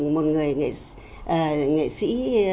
một người nghệ sĩ